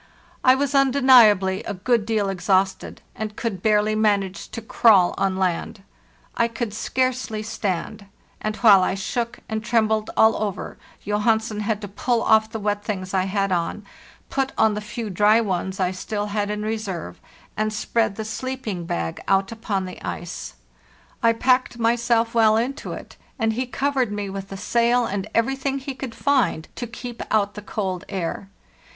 I was undeniably a good deal exhausted, and could barely manage to crawl on "T MANAGED TO SWING ONE LEG UP" land. I could scarcely stand; and while [ shook and trembled all over Johansen had to pull off the wet things I had on, put on the few dry ones I still had in reserve, and spread the sleeping bag out upon the ice. I packed 516 HARTHEST NORTH myself well into it, and he covered me with the sail and everything he could find to keep out the cold air.